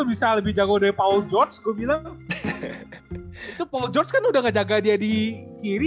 bisa lebih jago dari paul george gue bilang itu george kan udah ngejaga dia di kiri